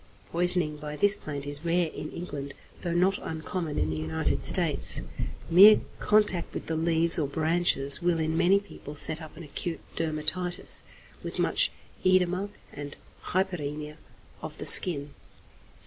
Poisoning by this plant is rare in England, though not uncommon in the United States. Mere contact with the leaves or branches will in many people set up an acute dermatitis, with much oedema and hyperæmia of the skin.